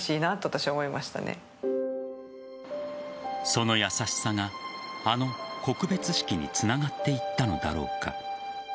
その優しさがあの告別式につながっていったのだろうか。